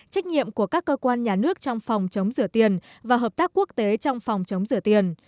trách nhiệm của các cơ quan nhà nước trong phòng chống rửa tiền và hợp tác quốc tế trong phòng chống rửa tiền